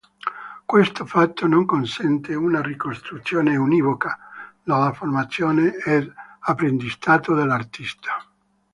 Questo fatto non consente una ricostruzione univoca della formazione ed apprendistato dell'artista.